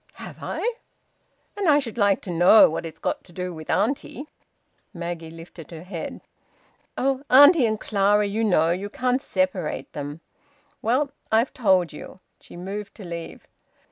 "Have I! ... And I should like to know what it's got to do with auntie!" Maggie lifted her head. "Oh, auntie and Clara, you know you can't separate them... Well, I've told you." She moved to leave.